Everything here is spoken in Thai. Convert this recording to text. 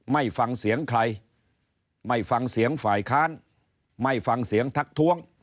ไม่ฟังเสียงใครไม่ฟังเสียงฝ่ายค้านไม่ฟังเสียงทักท้วง